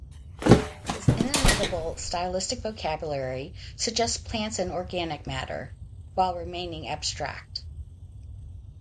His inimitable stylistic vocabulary suggests plants and organic matter, while remaining abstract.